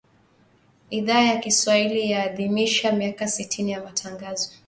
Idhaa ya Kiswahili yaadhimisha miaka sitini ya Matangazo